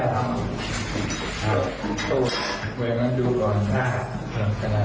เมื่อไหร่ครับ